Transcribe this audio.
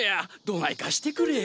どないかしてくれ。